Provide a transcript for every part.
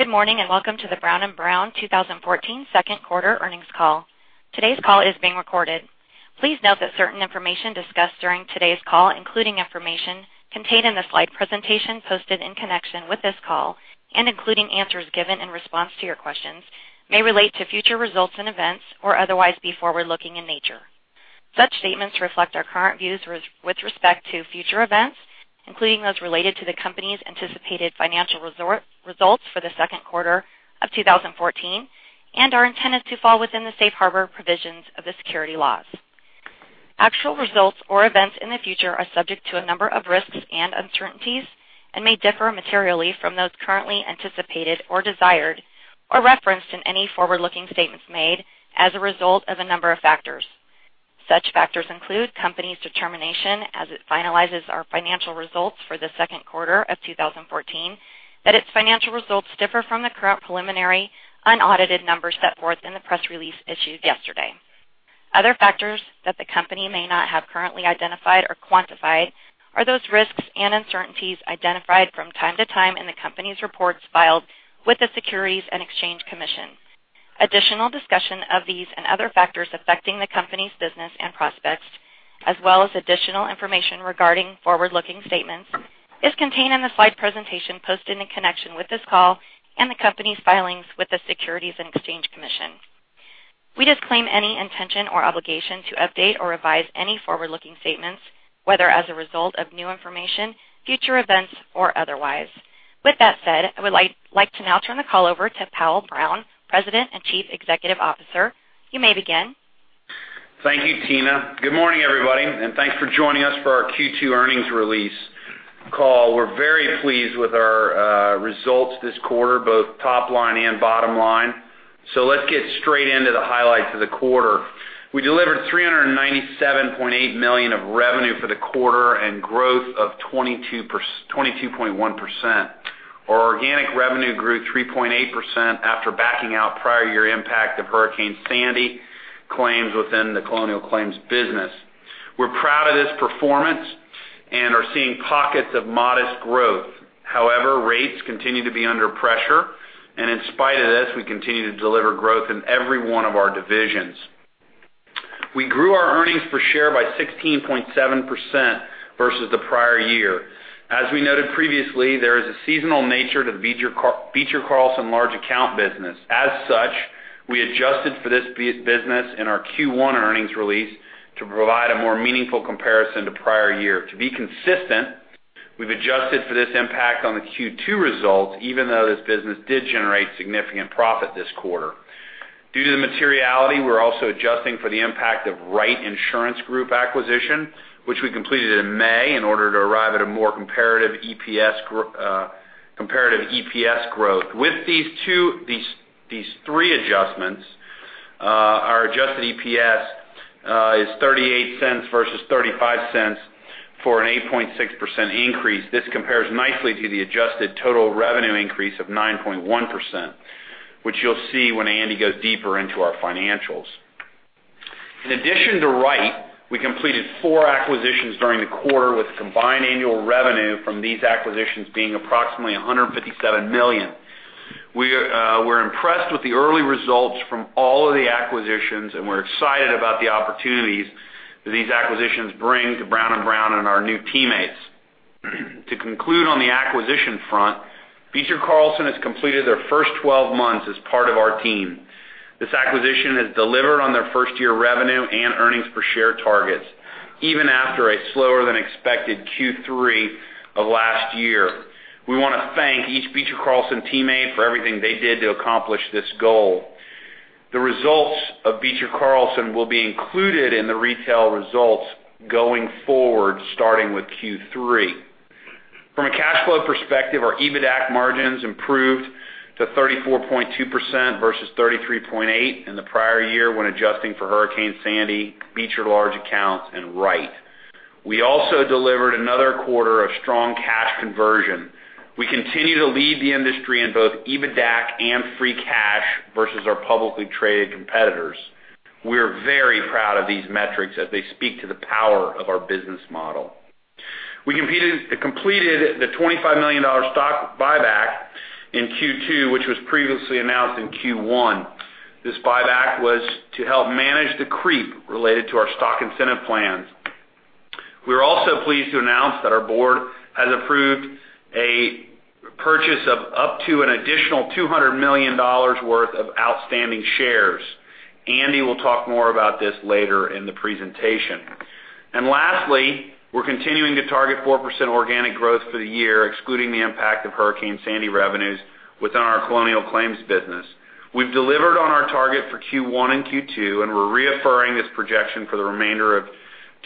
Good morning, and welcome to the Brown & Brown 2014 second quarter earnings call. Today's call is being recorded. Please note that certain information discussed during today's call, including information contained in the slide presentation posted in connection with this call and including answers given in response to your questions, may relate to future results and events or otherwise be forward-looking in nature. Such statements reflect our current views with respect to future events, including those related to the company's anticipated financial results for the second quarter of 2014, and are intended to fall within the safe harbor provisions of the securities laws. Actual results or events in the future are subject to a number of risks and uncertainties and may differ materially from those currently anticipated or desired or referenced in any forward-looking statements made as a result of a number of factors. Such factors include company's determination as it finalizes our financial results for the second quarter of 2014, that its financial results differ from the current preliminary, unaudited numbers set forth in the press release issued yesterday. Other factors that the company may not have currently identified or quantified are those risks and uncertainties identified from time to time in the company's reports filed with the Securities and Exchange Commission. Additional discussion of these and other factors affecting the company's business and prospects, as well as additional information regarding forward-looking statements, is contained in the slide presentation posted in connection with this call and the company's filings with the Securities and Exchange Commission. We disclaim any intention or obligation to update or revise any forward-looking statements, whether as a result of new information, future events, or otherwise. With that said, I would like to now turn the call over to Powell Brown, President and Chief Executive Officer. You may begin. Thank you, Tina. Good morning, everybody, and thanks for joining us for our Q2 earnings release call. We're very pleased with our results this quarter, both top line and bottom line. Let's get straight into the highlights of the quarter. We delivered $397.8 million of revenue for the quarter and growth of 22.1%. Our organic revenue grew 3.8% after backing out prior year impact of Hurricane Sandy claims within the Colonial Claims business. We're proud of this performance and are seeing pockets of modest growth. However, rates continue to be under pressure, and in spite of this, we continue to deliver growth in every one of our divisions. We grew our earnings per share by 16.7% versus the prior year. As we noted previously, there is a seasonal nature to the Beecher Carlson large account business. As such, we adjusted for this business in our Q1 earnings release to provide a more meaningful comparison to prior year. To be consistent, we've adjusted for this impact on the Q2 results, even though this business did generate significant profit this quarter. Due to the materiality, we're also adjusting for the impact of Wright Insurance Group acquisition, which we completed in May in order to arrive at a more comparative EPS growth. With these three adjustments, our adjusted EPS is $0.38 versus $0.35 for an 8.6% increase. This compares nicely to the adjusted total revenue increase of 9.1%, which you'll see when Andy goes deeper into our financials. In addition to Wright, we completed four acquisitions during the quarter, with combined annual revenue from these acquisitions being approximately $157 million. We're impressed with the early results from all of the acquisitions, and we're excited about the opportunities that these acquisitions bring to Brown & Brown and our new teammates. To conclude on the acquisition front, Beecher Carlson has completed their first 12 months as part of our team. This acquisition has delivered on their first-year revenue and earnings per share targets, even after a slower than expected Q3 of last year. We want to thank each Beecher Carlson teammate for everything they did to accomplish this goal. The results of Beecher Carlson will be included in the retail results going forward, starting with Q3. From a cash flow perspective, our EBITDAC margins improved to 34.2% versus 33.8% in the prior year when adjusting for Hurricane Sandy, Beecher Large Accounts and Wright. We also delivered another quarter of strong cash conversion. We continue to lead the industry in both EBITDAC and free cash versus our publicly traded competitors. We are very proud of these metrics as they speak to the power of our business model. We completed the $25 million stock buyback in Q2, which was previously announced in Q1. This buyback was to help manage the creep related to our Stock Incentive Plans. We're also pleased to announce that our board has approved a purchase of up to an additional $200 million worth of outstanding shares. Andy will talk more about this later in the presentation. Lastly, we're continuing to target 4% organic growth for the year, excluding the impact of Hurricane Sandy revenues within our Colonial Claims business. We've delivered on our target for Q1 and Q2, and we're reaffirming this projection for the remainder of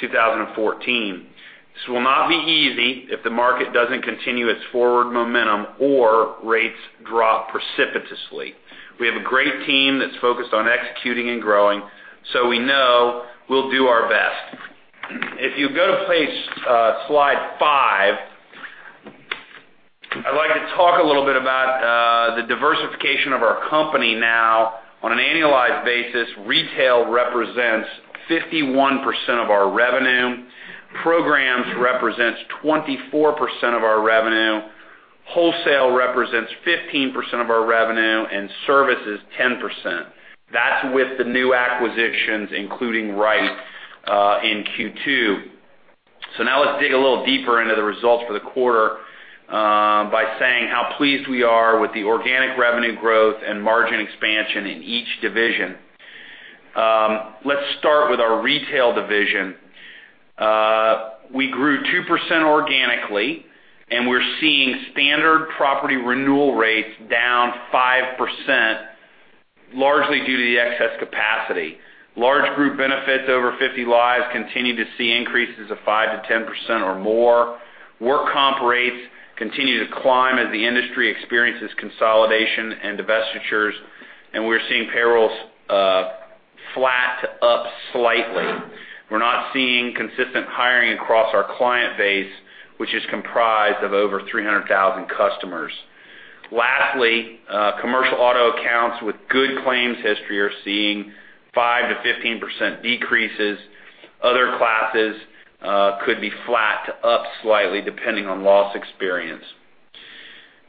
2014. This will not be easy if the market doesn't continue its forward momentum or rates drop precipitously. We have a great team that's focused on executing and growing, so we know we'll do our best. If you go to slide five, I'd like to talk a little bit about the diversification of our company now. On an annualized basis, retail represents 51% of our revenue. Programs represents 24% of our revenue. Wholesale represents 15% of our revenue, and services 10%. That's with the new acquisitions, including Wright in Q2. Now let's dig a little deeper into the results for the quarter by saying how pleased we are with the organic revenue growth and margin expansion in each division. Let's start with our retail division. We grew 2% organically, and we're seeing standard property renewal rates down 5%, largely due to the excess capacity. Large group benefits over 50 lives continue to see increases of 5%-10% or more. Work comp rates continue to climb as the industry experiences consolidation and divestitures. We're seeing payrolls flat to up slightly. We're not seeing consistent hiring across our client base, which is comprised of over 300,000 customers. Lastly, commercial auto accounts with good claims history are seeing 5%-15% decreases. Other classes could be flat to up slightly, depending on loss experience.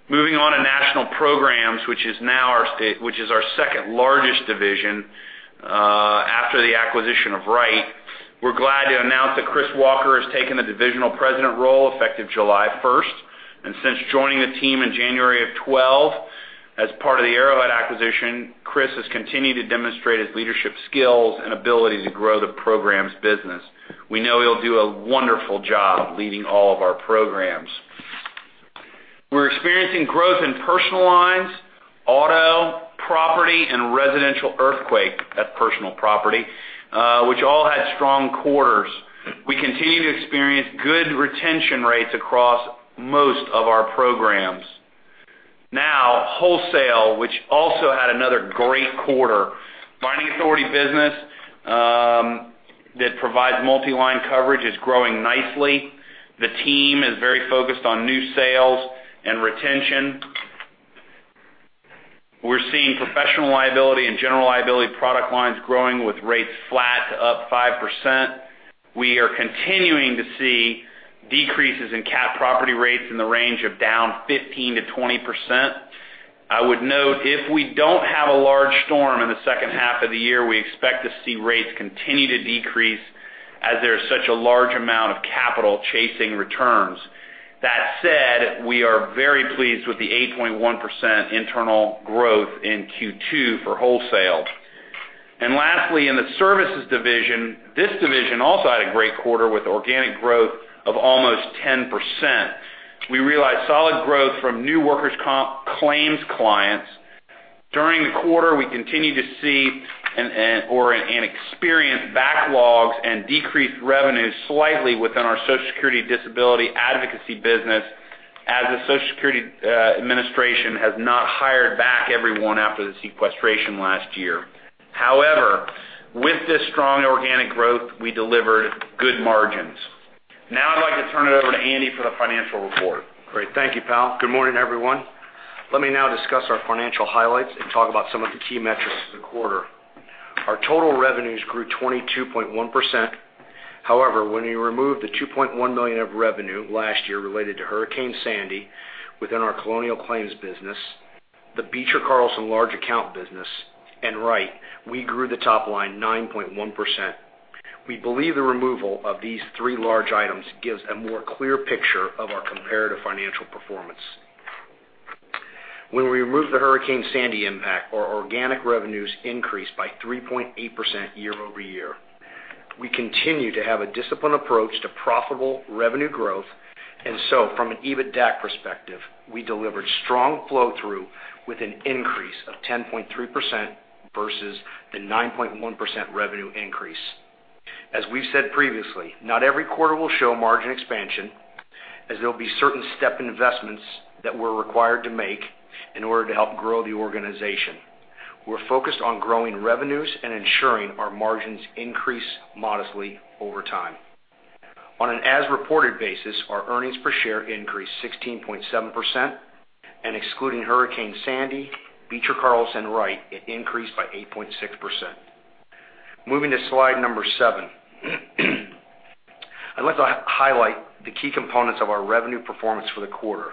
Moving on to national programs, which is our second largest division after the acquisition of Wright. We're glad to announce that Chris Walker has taken the divisional president role effective July 1st. Since joining the team in January of 2012 as part of the Arrowhead acquisition, Chris has continued to demonstrate his leadership skills and ability to grow the programs business. We know he'll do a wonderful job leading all of our programs. We're experiencing growth in personal lines, auto, property, and residential earthquake at personal property, which all had strong quarters. We continue to experience good retention rates across most of our programs. Wholesale, which also had another great quarter. Binding authority business that provides multi-line coverage is growing nicely. The team is very focused on new sales and retention. We're seeing professional liability and general liability product lines growing with rates flat to up 5%. We are continuing to see decreases in CAT property rates in the range of down 15%-20%. I would note, if we don't have a large storm in the second half of the year, we expect to see rates continue to decrease as there is such a large amount of capital chasing returns. That said, we are very pleased with the 8.1% internal growth in Q2 for wholesale. Lastly, in the services division, this division also had a great quarter with organic growth of almost 10%. We realized solid growth from new workers' comp claims clients. During the quarter, we continued to see or experience backlogs and decreased revenues slightly within our Social Security disability advocacy business as the Social Security Administration has not hired back everyone after the sequestration last year. However, with this strong organic growth, we delivered good margins. I'd like to turn it over to Andy for the financial report. Great. Thank you, Powell. Good morning, everyone. Let me now discuss our financial highlights and talk about some of the key metrics for the quarter. Our total revenues grew 22.1%. However, when you remove the $2.1 million of revenue last year related to Hurricane Sandy within our Colonial Claims business, the Beecher Carlson large account business, and Wright, we grew the top line 9.1%. We believe the removal of these three large items gives a more clear picture of our comparative financial performance. When we remove the Hurricane Sandy impact, our organic revenues increased by 3.8% year-over-year. We continue to have a disciplined approach to profitable revenue growth, and so from an EBITDAC perspective, we delivered strong flow-through with an increase of 10.3% versus the 9.1% revenue increase. As we've said previously, not every quarter will show margin expansion, as there'll be certain step investments that we're required to make in order to help grow the organization. We're focused on growing revenues and ensuring our margins increase modestly over time. On an as-reported basis, our EPS increased 16.7%, and excluding Hurricane Sandy, Beecher Carlson, Wright, it increased by 8.6%. Moving to slide number seven. I'd like to highlight the key components of our revenue performance for the quarter.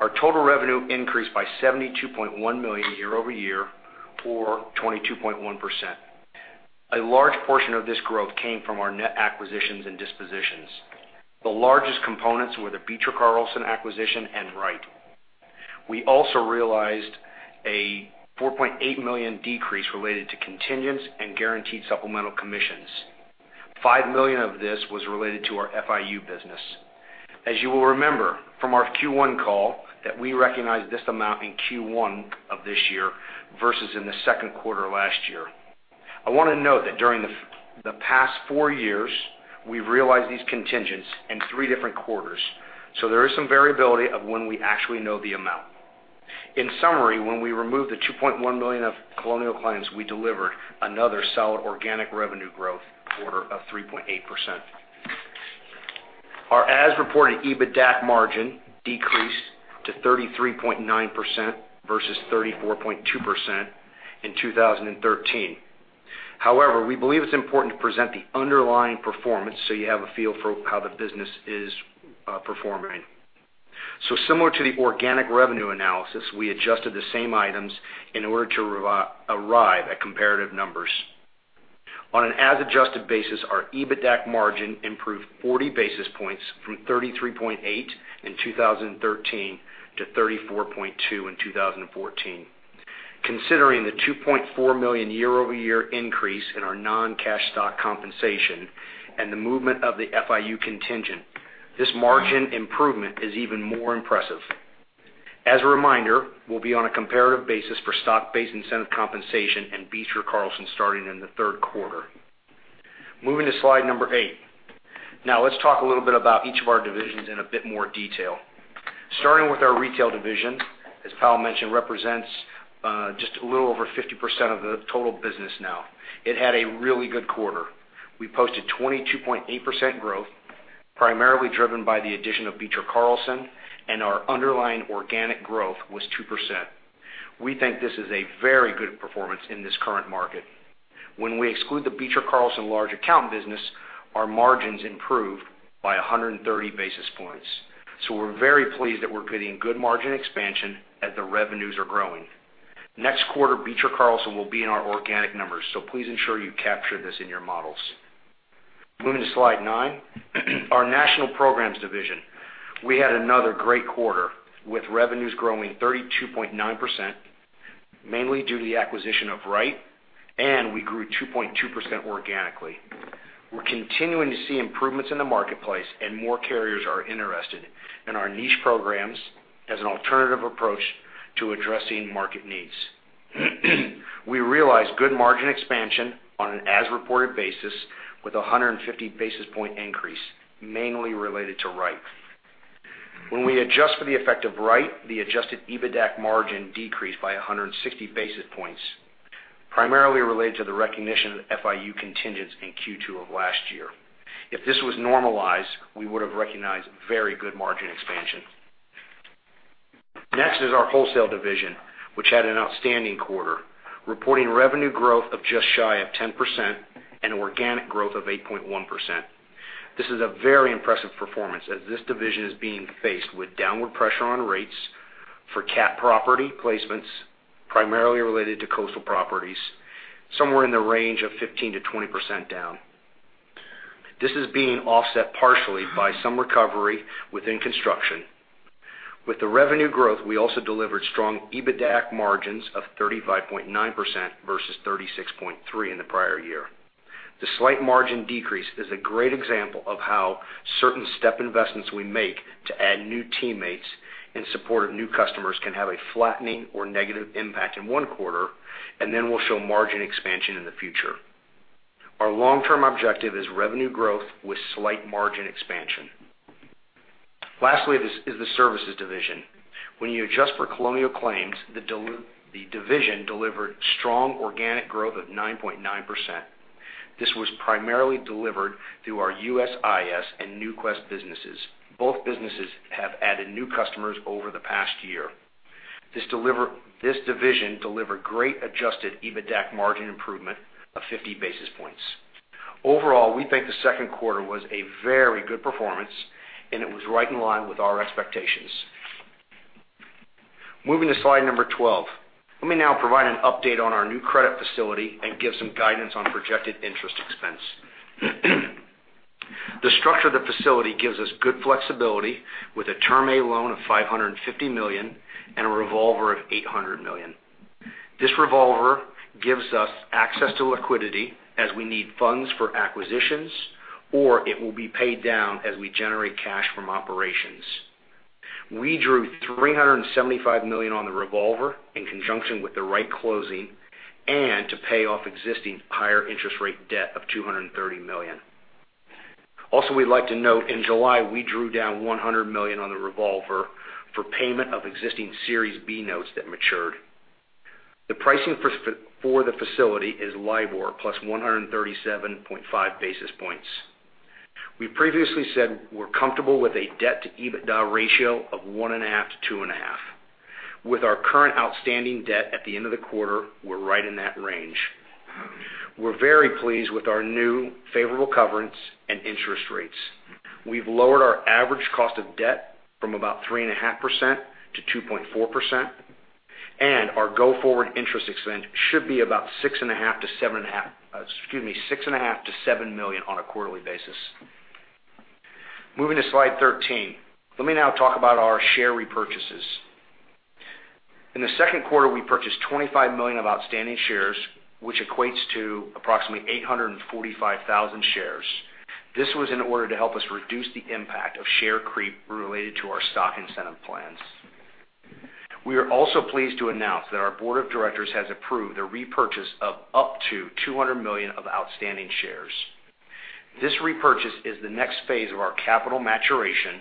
Our total revenue increased by $72.1 million year-over-year, or 22.1%. A large portion of this growth came from our net acquisitions and dispositions. The largest components were the Beecher Carlson acquisition and Wright. We also realized a $4.8 million decrease related to contingents and guaranteed supplemental commissions. $5 million of this was related to our FIU business. As you will remember from our Q1 call, we recognized this amount in Q1 of this year versus in the second quarter last year. I want to note that during the past four years, we've realized these contingents in three different quarters. There is some variability of when we actually know the amount. In summary, when we remove the $2.1 million of Colonial Claims, we delivered another solid organic revenue growth quarter of 3.8%. Our as-reported EBITDA margin decreased to 33.9% versus 34.2% in 2013. However, we believe it's important to present the underlying performance so you have a feel for how the business is performing. Similar to the organic revenue analysis, we adjusted the same items in order to arrive at comparative numbers. On an as-adjusted basis, our EBITDA margin improved 40 basis points from 33.8% in 2013 to 34.2% in 2014. Considering the $2.4 million year-over-year increase in our non-cash stock compensation and the movement of the FIU contingent, this margin improvement is even more impressive. As a reminder, we'll be on a comparative basis for stock-based incentive compensation and Beecher Carlson starting in the third quarter. Moving to slide number eight. Let's talk a little bit about each of our divisions in a bit more detail. Starting with our retail division, as Powell mentioned, represents just a little over 50% of the total business now. It had a really good quarter. We posted 22.8% growth, primarily driven by the addition of Beecher Carlson, and our underlying organic growth was 2%. We think this is a very good performance in this current market. When we exclude the Beecher Carlson large account business, our margins improve by 130 basis points. We're very pleased that we're getting good margin expansion as the revenues are growing. Next quarter, Beecher Carlson will be in our organic numbers, please ensure you capture this in your models. Moving to slide nine, our National Programs Division. We had another great quarter, with revenues growing 32.9%, mainly due to the acquisition of Wright, and we grew 2.2% organically. We're continuing to see improvements in the marketplace and more carriers are interested in our niche programs as an alternative approach to addressing market needs. We realized good margin expansion on an as-reported basis with 150 basis point increase, mainly related to Wright. When we adjust for the effect of Wright, the adjusted EBITDA margin decreased by 160 basis points, primarily related to the recognition of FIU contingents in Q2 of last year. If this was normalized, we would have recognized very good margin expansion. Next is our wholesale division, which had an outstanding quarter, reporting revenue growth of just shy of 10% and organic growth of 8.1%. This is a very impressive performance as this division is being faced with downward pressure on rates for CAT property placements, primarily related to coastal properties, somewhere in the range of 15%-20% down. This is being offset partially by some recovery within construction. With the revenue growth, we also delivered strong EBITDA margins of 35.9% versus 36.3% in the prior year. The slight margin decrease is a great example of how certain step investments we make to add new teammates in support of new customers can have a flattening or negative impact in one quarter, and then we'll show margin expansion in the future. Our long term objective is revenue growth with slight margin expansion. Lastly is the services division. When you adjust for Colonial Claims, the division delivered strong organic growth of 9.9%. This was primarily delivered through our USIS and NuQuest businesses. Both businesses have added new customers over the past year. This division delivered great adjusted EBITDA margin improvement of 50 basis points. Overall, we think the second quarter was a very good performance, and it was right in line with our expectations. Moving to slide number 12. Let me now provide an update on our new credit facility and give some guidance on projected interest expense. The structure of the facility gives us good flexibility with a Term A loan of $550 million and a revolver of $800 million. This revolver gives us access to liquidity as we need funds for acquisitions, or it will be paid down as we generate cash from operations. We drew $375 million on the revolver in conjunction with The Wright closing and to pay off existing higher interest rate debt of $230 million. Also, we'd like to note, in July, we drew down $100 million on the revolver for payment of existing Series B notes that matured. The pricing for the facility is LIBOR plus 137.5 basis points. We previously said we're comfortable with a debt to EBITDA ratio of one and a half to two and a half. With our current outstanding debt at the end of the quarter, we're right in that range. We're very pleased with our new favorable covenants and interest rates. We've lowered our average cost of debt from about 3.5% to 2.4%, and our go forward interest expense should be about six and a half to $7 million on a quarterly basis. Moving to slide 13. Let me now talk about our share repurchases. In the second quarter, we purchased $25 million of outstanding shares, which equates to approximately 845,000 shares. This was in order to help us reduce the impact of share creep related to our Stock Incentive Plans. We are also pleased to announce that our board of directors has approved a repurchase of up to $200 million of outstanding shares. This repurchase is the next phase of our capital maturation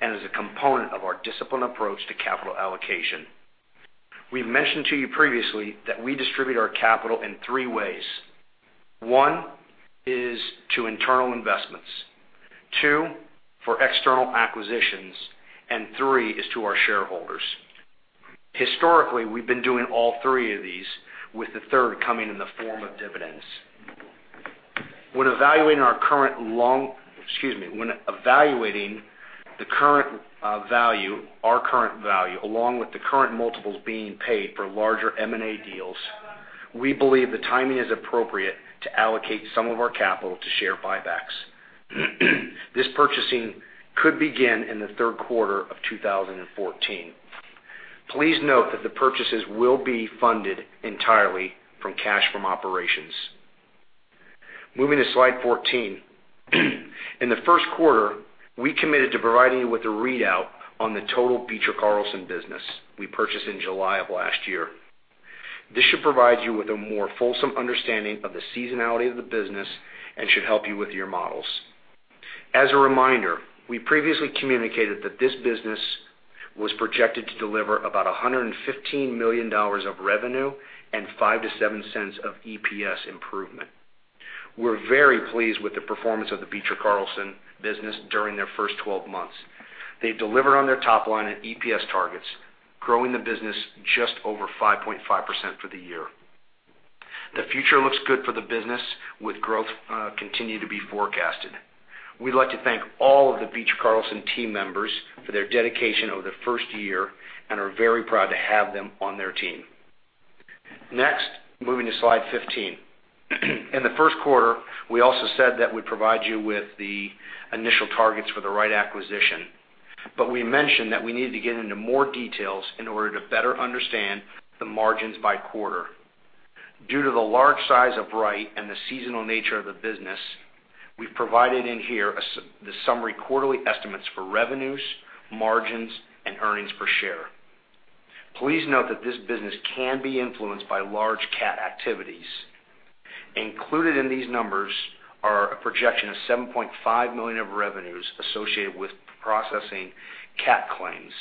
and is a component of our disciplined approach to capital allocation. We mentioned to you previously that we distribute our capital in three ways. One is to internal investments, two, for external acquisitions, and three is to our shareholders. Historically, we've been doing all three of these, with the third coming in the form of dividends. When evaluating the current value, our current value, along with the current multiples being paid for larger M&A deals, we believe the timing is appropriate to allocate some of our capital to share buybacks. This purchasing could begin in the third quarter of 2014. Please note that the purchases will be funded entirely from cash from operations. Moving to slide 14. In the first quarter, we committed to providing you with a readout on the total Beecher Carlson business we purchased in July of last year. This should provide you with a more fulsome understanding of the seasonality of the business and should help you with your models. As a reminder, we previously communicated that this business was projected to deliver about $115 million of revenue and $0.05 to $0.07 of EPS improvement. We're very pleased with the performance of the Beecher Carlson business during their first 12 months. They've delivered on their top line and EPS targets, growing the business just over 5.5% for the year. The future looks good for the business, with growth continuing to be forecasted. We'd like to thank all of the Beecher Carlson team members for their dedication over the first year and are very proud to have them on their team. Next, moving to slide 15. In the first quarter, we also said that we'd provide you with the initial targets for the Wright acquisition. We mentioned that we needed to get into more details in order to better understand the margins by quarter. Due to the large size of Wright and the seasonal nature of the business, we've provided in here the summary quarterly estimates for revenues, margins, and earnings per share. Please note that this business can be influenced by large CAT activities. Included in these numbers are a projection of $7.5 million of revenues associated with processing CAT claims.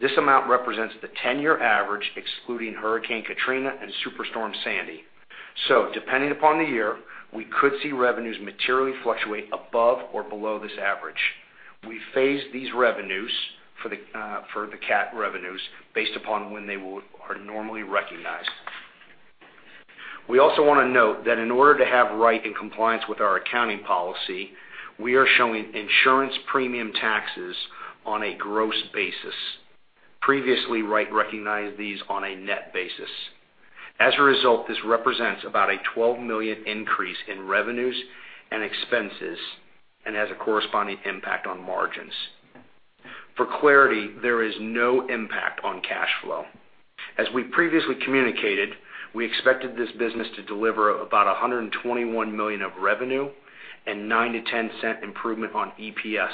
This amount represents the 10 year average, excluding Hurricane Katrina and Superstorm Sandy. Depending upon the year, we could see revenues materially fluctuate above or below this average. We phase these revenues for the CAT revenues based upon when they are normally recognized. We also want to note that in order to have Wright in compliance with our accounting policy, we are showing insurance premium taxes on a gross basis. Previously, Wright recognized these on a net basis. As a result, this represents about a $12 million increase in revenues and expenses and has a corresponding impact on margins. For clarity, there is no impact on cash flow. As we previously communicated, we expected this business to deliver about $121 million of revenue and $0.09 to $0.10 improvement on EPS.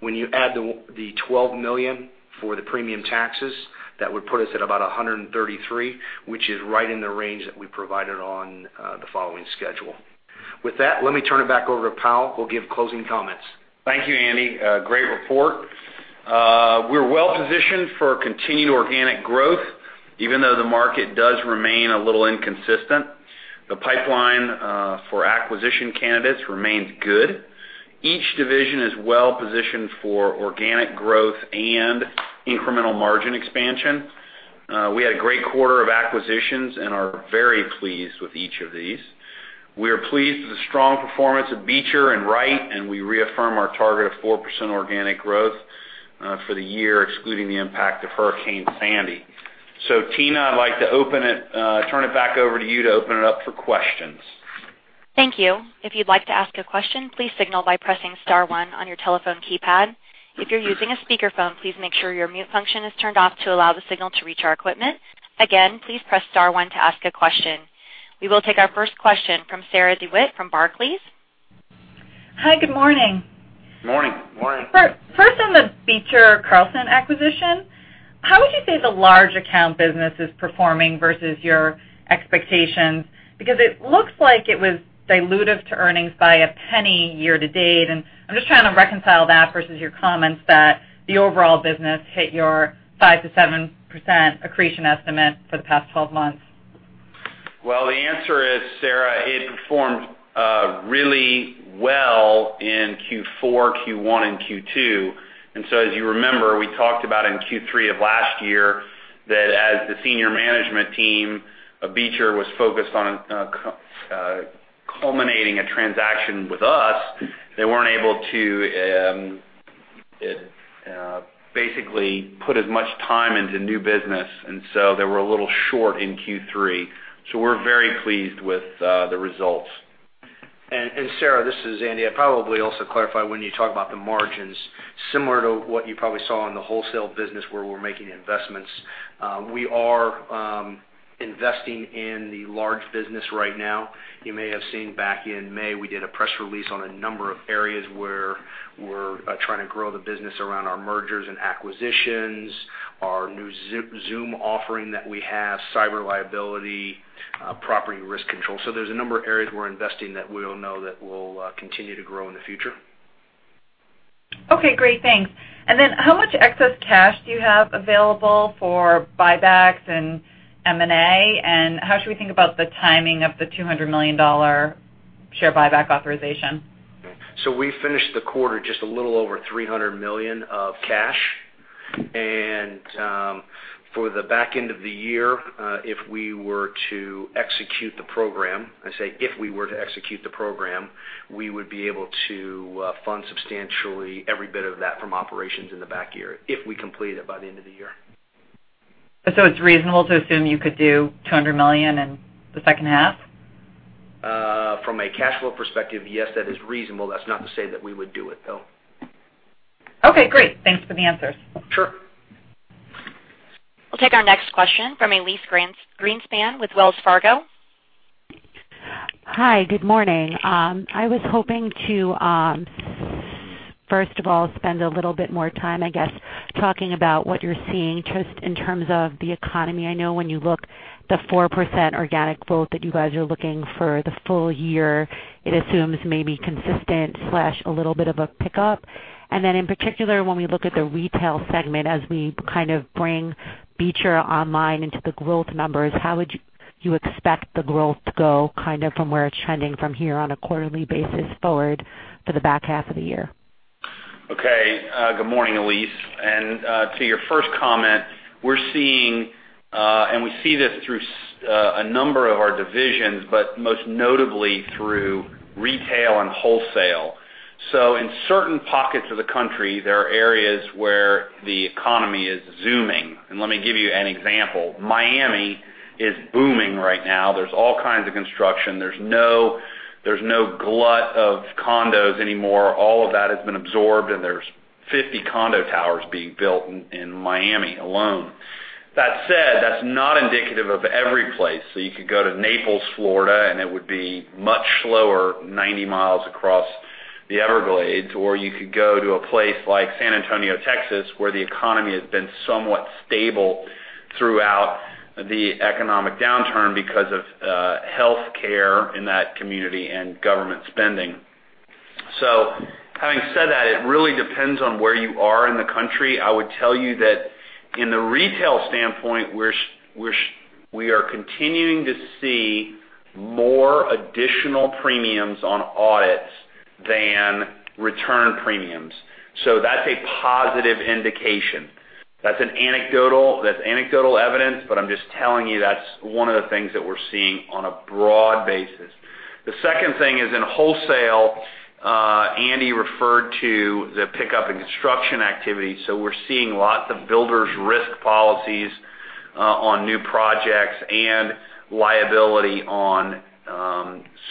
When you add the $12 million for the premium taxes, that would put us at about $133, which is right in the range that we provided on the following schedule. With that, let me turn it back over to Powell, who'll give closing comments. Thank you, Andy. Great report. We're well positioned for continued organic growth, even though the market does remain a little inconsistent. The pipeline for acquisition candidates remains good. Each division is well positioned for organic growth and incremental margin expansion. We had a great quarter of acquisitions and are very pleased with each of these. We are pleased with the strong performance of Beecher and Wright, and we reaffirm our target of 4% organic growth for the year, excluding the impact of Hurricane Sandy. Tina, I'd like to turn it back over to you to open it up for questions. Thank you. If you'd like to ask a question, please signal by pressing star one on your telephone keypad. If you're using a speakerphone, please make sure your mute function is turned off to allow the signal to reach our equipment. Again, please press star one to ask a question. We will take our first question from Sarah DeWitt from Barclays. Hi, good morning. Morning. Morning. First on the Beecher Carlson acquisition, how would you say the large account business is performing versus your expectations? Because it looks like it was dilutive to earnings by $0.01 year to date, and I'm just trying to reconcile that versus your comments that the overall business hit your 5%-7% accretion estimate for the past 12 months. The answer is, Sarah, it performed really well in Q4, Q1, and Q2. As you remember, we talked about in Q3 of last year that as the senior management team of Beecher was focused on culminating a transaction with us, they weren't able to basically put as much time into new business, they were a little short in Q3. We're very pleased with the results. Sarah, this is Andy. I'd probably also clarify when you talk about the margins, similar to what you probably saw in the wholesale business where we're making investments, we are investing in the large business right now. You may have seen back in May, we did a press release on a number of areas where we're trying to grow the business around our mergers and acquisitions, our new Zumm offering that we have, cyber liability, property risk control. There's a number of areas we're investing that we all know that will continue to grow in the future. Okay, great. Thanks. How much excess cash do you have available for buybacks and M&A? How should we think about the timing of the $200 million share buyback authorization? We finished the quarter just a little over $300 million of cash. For the back end of the year, if we were to execute the program, I say if we were to execute the program, we would be able to fund substantially every bit of that from operations in the back year if we completed it by the end of the year. It's reasonable to assume you could do $200 million in the second half? From a cash flow perspective, yes, that is reasonable. That's not to say that we would do it, though. Okay, great. Thanks for the answers. Sure. We'll take our next question from Elyse Greenspan with Wells Fargo. Hi. Good morning. I was hoping to, first of all, spend a little bit more time, I guess, talking about what you're seeing just in terms of the economy. I know when you look the 4% organic growth that you guys are looking for the full year, it assumes maybe consistent/a little bit of a pickup. In particular, when we look at the retail segment, as we kind of bring Beecher online into the growth numbers, how would you expect the growth to go kind of from where it's trending from here on a quarterly basis forward for the back half of the year? Okay. Good morning, Elyse. To your first comment, we're seeing, and we see this through a number of our divisions, but most notably through retail and wholesale. In certain pockets of the country, there are areas where the economy is zooming. Let me give you an example. Miami is booming right now. There's all kinds of construction. There's no glut of condos anymore. All of that has been absorbed, and there's 50 condo towers being built in Miami alone. That said, that's not indicative of every place. You could go to Naples, Florida, and it would be much slower 90 miles across the Everglades, or you could go to a place like San Antonio, Texas, where the economy has been somewhat stable throughout the economic downturn because of healthcare in that community and government spending. Having said that, it really depends on where you are in the country. I would tell you that in the retail standpoint, we are continuing to see more additional premiums on audits than return premiums. That's a positive indication. That's anecdotal evidence, but I'm just telling you that's one of the things that we're seeing on a broad basis. The second thing is in wholesale, Andy referred to the pickup in construction activity. We're seeing lots of builders risk policies on new projects and liability on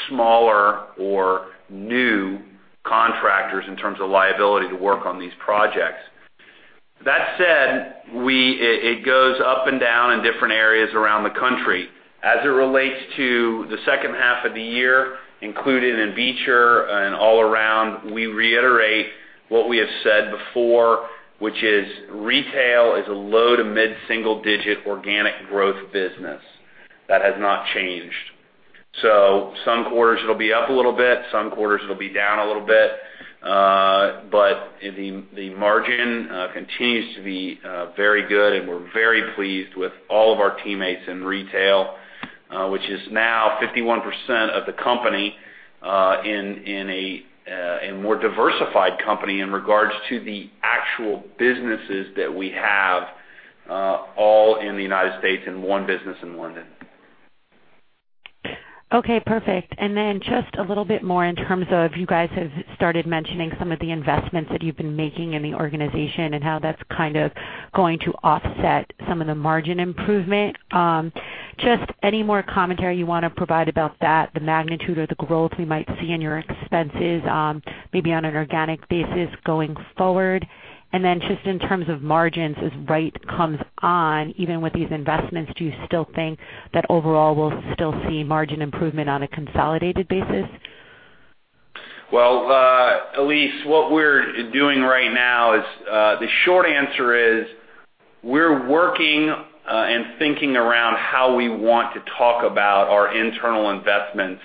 smaller or new contractors in terms of liability to work on these projects. That said, it goes up and down in different areas around the country. As it relates to the second half of the year, included in Beecher and all around, we reiterate what we have said before, which is retail is a low to mid-single digit organic growth business. That has not changed. Some quarters it'll be up a little bit, some quarters it'll be down a little bit. The margin continues to be very good, and we're very pleased with all of our teammates in retail, which is now 51% of the company, in a more diversified company in regards to the actual businesses that we have all in the U.S. and one business in London. Okay, perfect. Just a little bit more in terms of, you guys have started mentioning some of the investments that you've been making in the organization and how that's kind of going to offset some of the margin improvement. Just any more commentary you want to provide about that, the magnitude or the growth we might see in your expenses, maybe on an organic basis going forward. Just in terms of margins, as Wright comes on, even with these investments, do you still think that overall we'll still see margin improvement on a consolidated basis? Well, Elyse, what we're doing right now is, the short answer is we're working and thinking around how we want to talk about our internal investments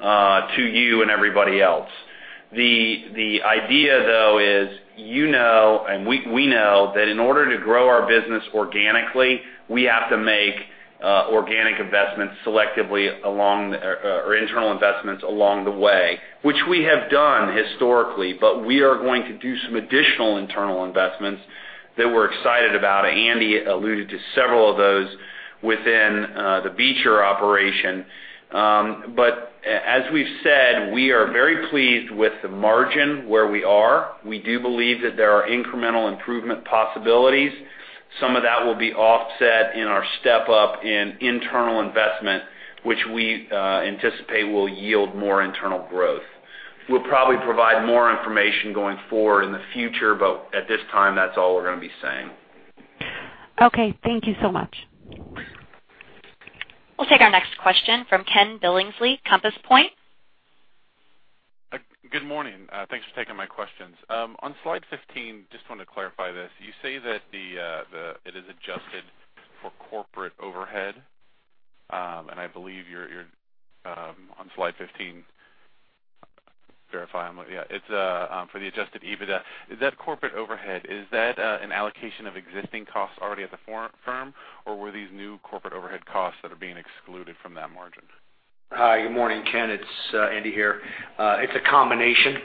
to you and everybody else. The idea, though, is you know and we know that in order to grow our business organically, we have to make organic investments selectively or internal investments along the way, which we have done historically. We are going to do some additional internal investments that we're excited about. Andy alluded to several of those within the Beecher operation. As we've said, we are very pleased with the margin where we are. We do believe that there are incremental improvement possibilities. Some of that will be offset in our step-up in internal investment, which we anticipate will yield more internal growth. We'll probably provide more information going forward in the future, at this time, that's all we're going to be saying. Okay. Thank you so much. We'll take our next question from Ken Billingsley, Compass Point. Good morning. Thanks for taking my questions. On slide 15, just wanted to clarify this. You say that it is adjusted for corporate overhead. I believe you're on slide 15. Verify, yeah, it's for the adjusted EBITDA. Is that corporate overhead? Is that an allocation of existing costs already at the firm, or were these new corporate overhead costs that are being excluded from that margin? Hi, good morning, Ken. It's Andy here. It's a combination.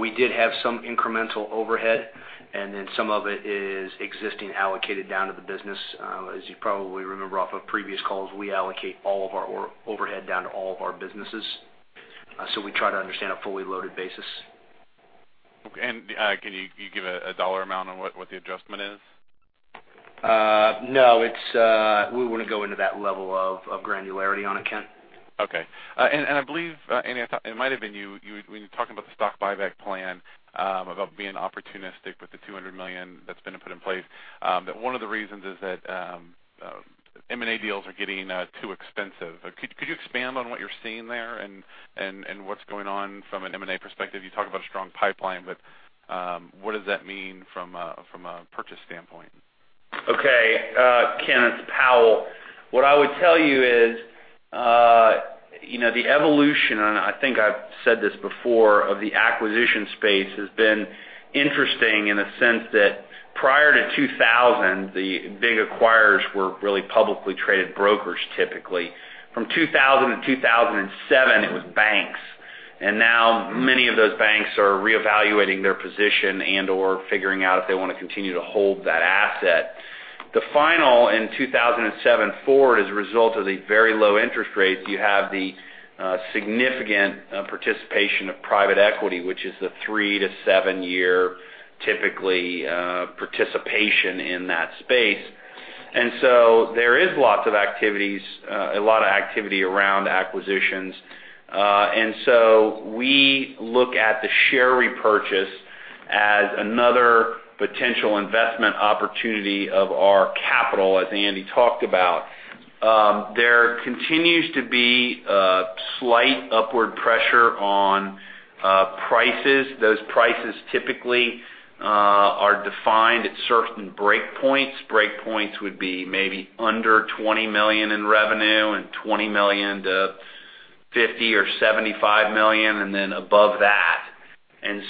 We did have some incremental overhead, and then some of it is existing allocated down to the business. As you probably remember off of previous calls, we allocate all of our overhead down to all of our businesses. We try to understand a fully loaded basis. Okay. Can you give a dollar amount on what the adjustment is? No. We wouldn't go into that level of granularity on it, Ken. Okay. I believe, Andy, it might've been you, when you were talking about the stock buyback plan, about being opportunistic with the $200 million that's been put in place. That one of the reasons is that M&A deals are getting too expensive. Could you expand on what you're seeing there and what's going on from an M&A perspective? You talk about a strong pipeline, what does that mean from a purchase standpoint? Okay. Ken, it's Powell. What I would tell you is the evolution, I think I've said this before, of the acquisition space has been interesting in a sense that prior to 2000, the big acquirers were really publicly traded brokers, typically. From 2000 to 2007, it was banks. Now many of those banks are reevaluating their position and/or figuring out if they want to continue to hold that asset. The final in 2007 forward, as a result of the very low interest rates, you have the significant participation of private equity, which is the 3-7 year, typically, participation in that space. There is a lot of activity around acquisitions. We look at the share repurchase as another potential investment opportunity of our capital, as Andy talked about. There continues to be slight upward pressure on prices. Those prices typically are defined at certain break points. Break points would be maybe under $20 million in revenue and $20 million to $50 million or $75 million, and then above that. As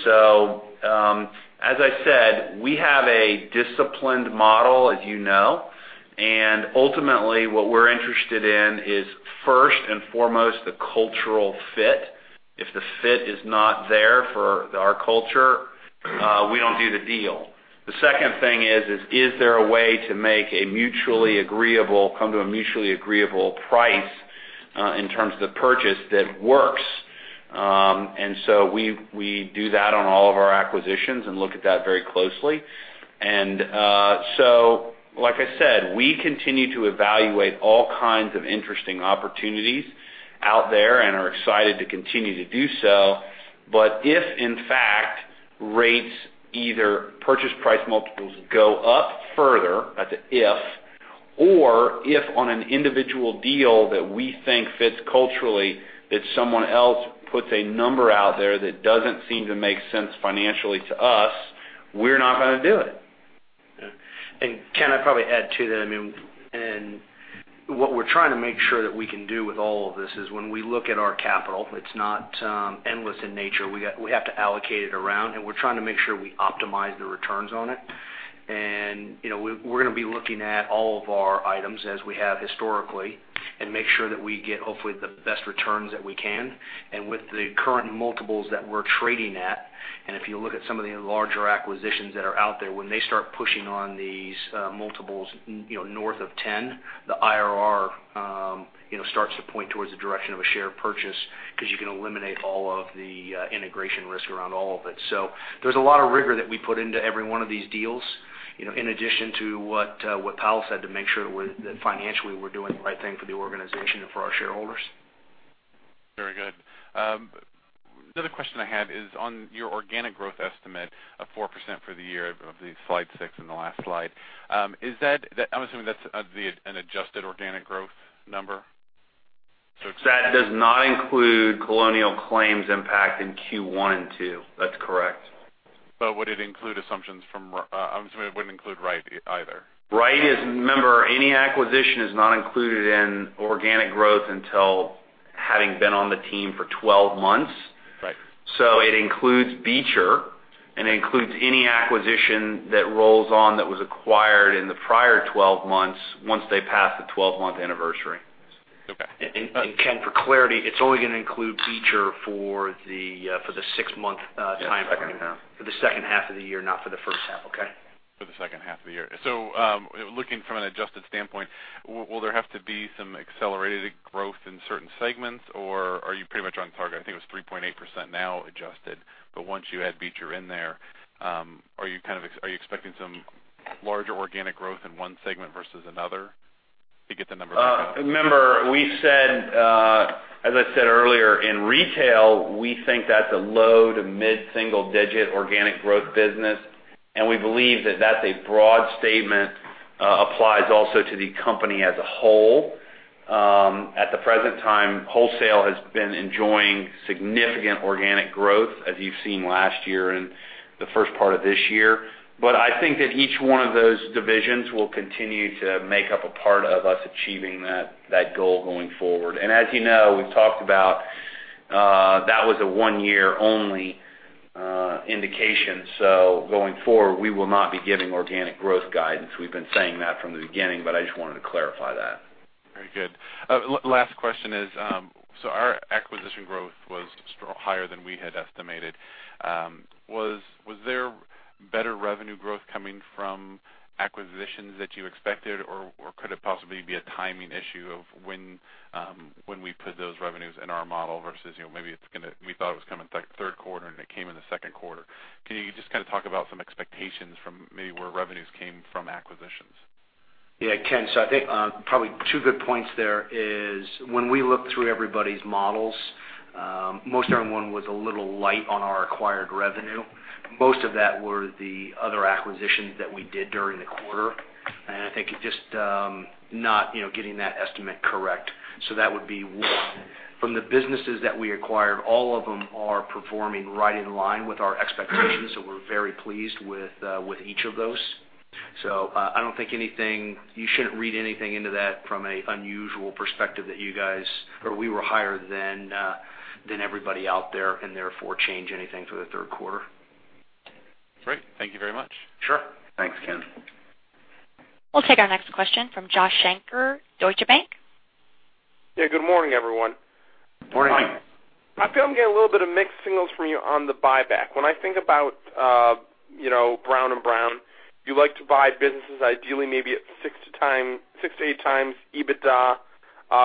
I said, we have a disciplined model, as you know, ultimately, what we're interested in is first and foremost the cultural fit. If the fit is not there for our culture, we don't do the deal. The second thing is there a way to come to a mutually agreeable price, in terms of the purchase that works? We do that on all of our acquisitions and look at that very closely. Like I said, we continue to evaluate all kinds of interesting opportunities out there and are excited to continue to do so. If in fact, rates either purchase price multiples go up further, that's a if, or if on an individual deal that we think fits culturally, that someone else puts a number out there that doesn't seem to make sense financially to us, we're not going to do it. Yeah. Ken, I'd probably add to that. What we're trying to make sure that we can do with all of this is when we look at our capital, it's not endless in nature. We have to allocate it around, we're trying to make sure we optimize the returns on it. We're going to be looking at all of our items as we have historically, and make sure that we get, hopefully, the best returns that we can. With the current multiples that we're trading at, and if you look at some of the larger acquisitions that are out there, when they start pushing on these multiples north of 10, the IRR starts to point towards the direction of a share purchase because you can eliminate all of the integration risk around all of it. There's a lot of rigor that we put into every one of these deals, in addition to what Powell said, to make sure that financially we're doing the right thing for the organization and for our shareholders. Very good. The other question I had is on your organic growth estimate of 4% for the year of the slide six and the last slide. I'm assuming that's an adjusted organic growth number? That does not include Colonial Claims impact in Q1 and 2. That's correct. Would it include assumptions from I'm assuming it wouldn't include Wright, either. Wright is, remember, any acquisition is not included in organic growth until having been on the team for 12 months. Right. It includes Beecher, and it includes any acquisition that rolls on that was acquired in the prior 12 months, once they pass the 12-month anniversary. Okay. Ken, for clarity, it's only going to include Beecher for the six-month time frame. Yeah, second half. For the second half of the year, not for the first half. Okay? For the second half of the year. Looking from an adjusted standpoint, will there have to be some accelerated growth in certain segments, or are you pretty much on target? I think it was 3.8% now adjusted. Once you add Beecher in there, are you expecting some larger organic growth in one segment versus another to get the numbers up? As I said earlier, in retail, we think that's a low to mid-single digit organic growth business. We believe that that's a broad statement, applies also to the company as a whole. Okay. At the present time, wholesale has been enjoying significant organic growth, as you've seen last year and the first part of this year. I think that each one of those divisions will continue to make up a part of us achieving that goal going forward. As you know, we've talked about, that was a one-year only indication. Going forward, we will not be giving organic growth guidance. We've been saying that from the beginning, I just wanted to clarify that. Very good. Last question is, our acquisition growth was higher than we had estimated. Was there better revenue growth coming from acquisitions that you expected, or could it possibly be a timing issue of when we put those revenues in our model versus maybe we thought it was coming third quarter and it came in the second quarter? Can you just talk about some expectations from maybe where revenues came from acquisitions? Yeah, Ken. I think probably two good points there is when we look through everybody's models, most everyone was a little light on our acquired revenue. Most of that were the other acquisitions that we did during the quarter. I think it's just not getting that estimate correct. That would be one. From the businesses that we acquired, all of them are performing right in line with our expectations, we're very pleased with each of those. I don't think you should read anything into that from an unusual perspective that you guys or we were higher than everybody out there, and therefore change anything for the third quarter. Great. Thank you very much. Sure. Thanks, Ken. We'll take our next question from Joshua Shanker, Deutsche Bank. Yeah. Good morning, everyone. Morning. Morning. I feel I'm getting a little bit of mixed signals from you on the buyback. When I think about Brown & Brown, you like to buy businesses ideally maybe at six to eight times EBITDA,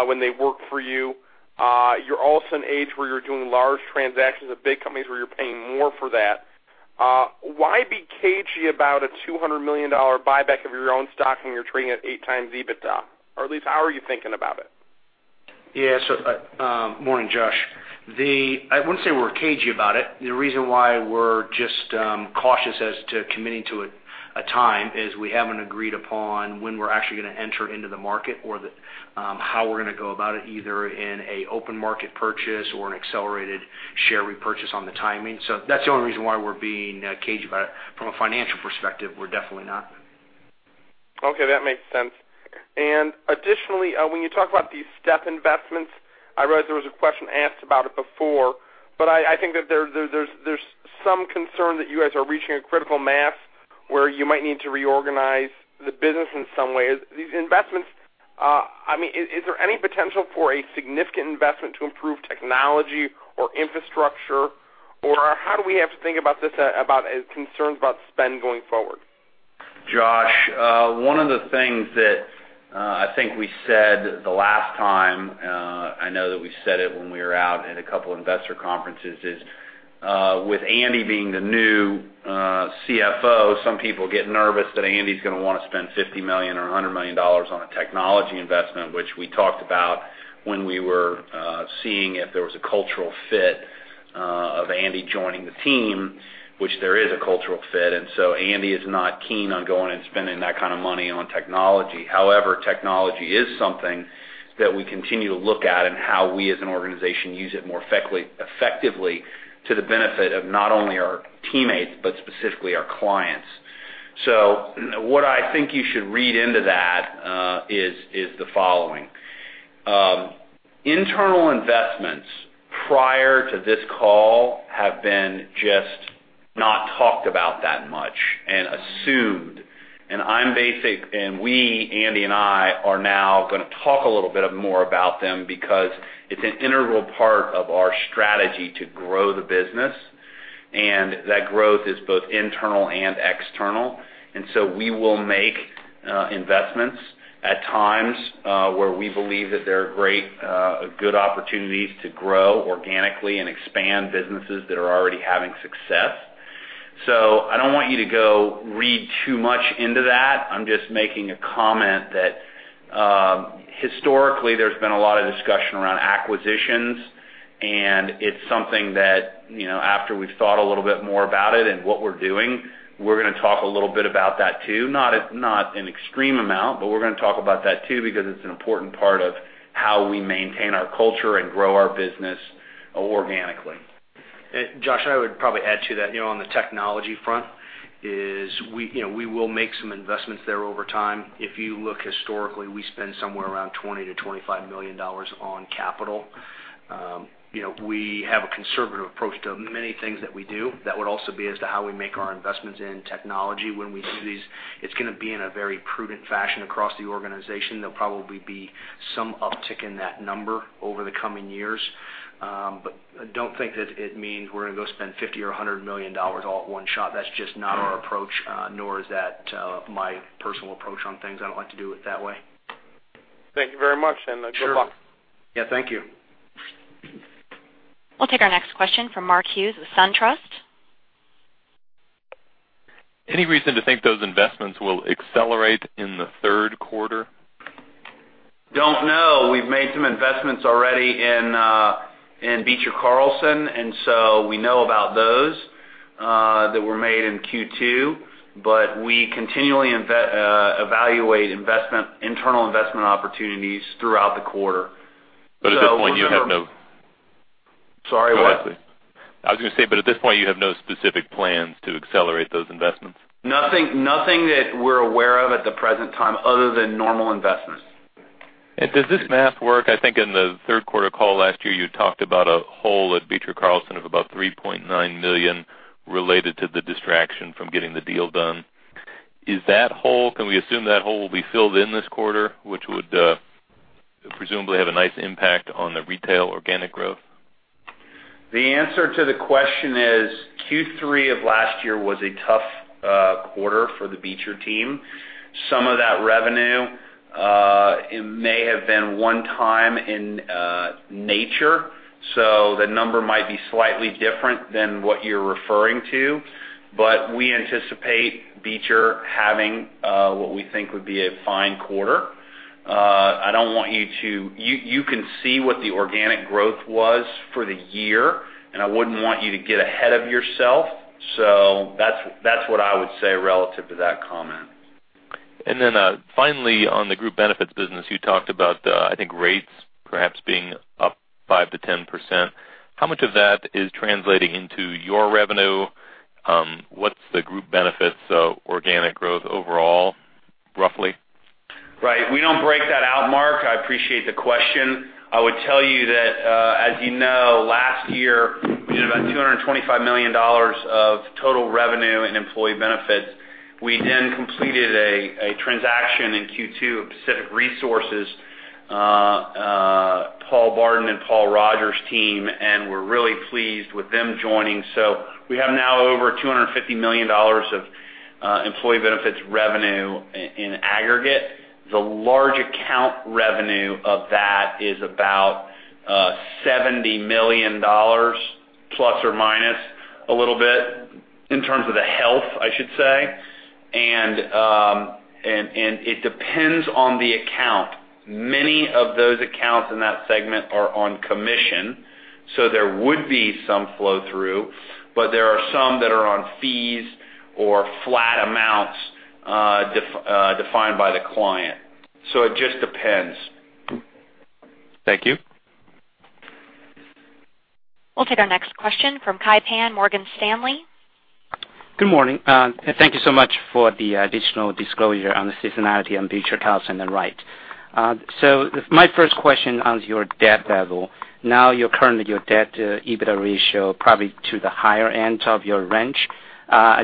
when they work for you. You're also in an age where you're doing large transactions with big companies where you're paying more for that. Why be cagey about a $200 million buyback of your own stock when you're trading at eight times EBITDA? Or at least how are you thinking about it? Yeah. Morning, Josh. I wouldn't say we're cagey about it. The reason why we're just cautious as to committing to a time is we haven't agreed upon when we're actually going to enter into the market or how we're going to go about it, either in an open market purchase or an accelerated share repurchase on the timing. That's the only reason why we're being cagey about it. From a financial perspective, we're definitely not. Okay, that makes sense. Additionally, when you talk about these step investments, I realize there was a question asked about it before, but I think that there's some concern that you guys are reaching a critical mass where you might need to reorganize the business in some way. These investments, is there any potential for a significant investment to improve technology or infrastructure? How do we have to think about this as concerns about spend going forward? Josh, one of the things that I think we said the last time, I know that we said it when we were out at a couple investor conferences, is with Andy being the new CFO, some people get nervous that Andy's going to want to spend $50 million or $100 million on a technology investment, which we talked about when we were seeing if there was a cultural fit of Andy joining the team, which there is a cultural fit. However, technology is something that we continue to look at and how we as an organization use it more effectively to the benefit of not only our teammates, but specifically our clients. What I think you should read into that is the following. Internal investments prior to this call have been just not talked about that much and assumed. We, Andy and I, are now going to talk a little bit more about them because it's an integral part of our strategy to grow the business. That growth is both internal and external. We will make investments at times where we believe that there are great good opportunities to grow organically and expand businesses that are already having success. I don't want you to go read too much into that. I'm just making a comment that historically there's been a lot of discussion around acquisitions, and it's something that, after we've thought a little bit more about it and what we're doing, we're going to talk a little bit about that too. Not an extreme amount, but we're going to talk about that too, because it's an important part of how we maintain our culture and grow our business organically. Josh, I would probably add to that on the technology front is we will make some investments there over time. If you look historically, we spend somewhere around $20 million to $25 million on capital. We have a conservative approach to many things that we do. That would also be as to how we make our investments in technology when we do these. It's going to be in a very prudent fashion across the organization. There'll probably be some uptick in that number over the coming years. Don't think that it means we're going to go spend $50 million or $100 million all at one shot. That's just not our approach, nor is that my personal approach on things. I don't like to do it that way. Thank you very much, and good luck. Sure. Yeah, thank you. We'll take our next question from Mark Hughes with SunTrust. Any reason to think those investments will accelerate in the third quarter? Don't know. We've made some investments already in Beecher Carlson, and so we know about those that were made in Q2, but we continually evaluate internal investment opportunities throughout the quarter. At this point, you have no- Sorry, what? Go ahead. I was going to say, at this point, you have no specific plans to accelerate those investments? Nothing that we're aware of at the present time other than normal investments. Does this math work? I think in the third quarter call last year, you talked about a hole at Beecher Carlson of about $3.9 million related to the distraction from getting the deal done. Can we assume that hole will be filled in this quarter, which would presumably have a nice impact on the retail organic growth? The answer to the question is, Q3 of last year was a tough quarter for the Beecher team. Some of that revenue may have been one-time in nature. The number might be slightly different than what you're referring to. We anticipate Beecher having what we think would be a fine quarter. You can see what the organic growth was for the year, and I wouldn't want you to get ahead of yourself. That's what I would say relative to that comment. Finally, on the group benefits business, you talked about, I think, rates perhaps being up 5%-10%. How much of that is translating into your revenue? What's the group benefits organic growth overall, roughly? Right. We don't break that out, Mark. I appreciate the question. I would tell you that, as you know, last year, we did about $225 million of total revenue in employee benefits. We then completed a transaction in Q2 of Pacific Resources, Paul Barden and Paul Rogers' team, and we're really pleased with them joining. We have now over $250 million of employee benefits revenue in aggregate. The large account revenue of that is about $70 million, plus or minus a little bit, in terms of the health, I should say. It depends on the account. Many of those accounts in that segment are on commission, there would be some flow-through, but there are some that are on fees or flat amounts defined by the client. It just depends. Thank you. We'll take our next question from Kai Pan, Morgan Stanley. Good morning. Thank you so much for the additional disclosure on the seasonality on Beecher Carlson and Wright. My first question on your debt level. Currently, your debt-to-EBITDA ratio probably to the higher end of your range.